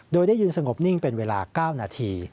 โดยได้ยืนสงบนิ่งเป็นเวลา๙นาที